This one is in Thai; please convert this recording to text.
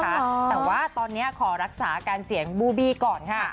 แต่ว่าตอนนี้ขอรักษาอาการเสียงบูบี้ก่อนค่ะ